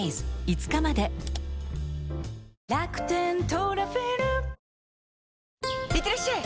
ハローいってらっしゃい！